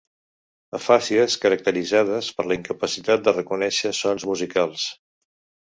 Afàsies caracteritzades per la incapacitat de reconèixer sons musicals.